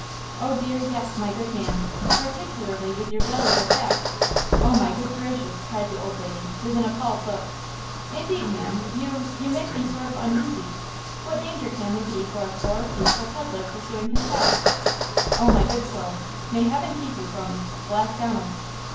"Oh, dear, yes, my good man, particularly with your valuable pack–oh, my good gracious!" cried the old lady, with an appalled look. "Indeed, ma'am, you–you make me sort of uneasy! What danger can there be for a poor, peaceful peddler pursuing his path?" "Oh, my good soul, may heaven keep you from–Black Donald!"